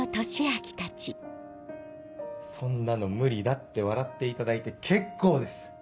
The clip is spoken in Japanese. そんなの無理だって笑っていただいて結構です。